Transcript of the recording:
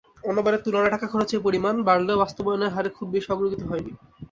অন্যবারের তুলনায় টাকা খরচের পরিমাণ বাড়লেও বাস্তবায়নের হারে খুব বেশি অগ্রগতি হয়নি।